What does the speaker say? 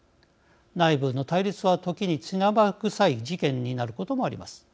内部の対立は時に血生臭い事件になることもあります。